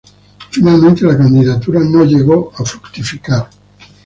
Finalmente, la candidatura no llegó a fructificar.